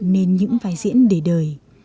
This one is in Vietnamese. nên những vai diễn để đời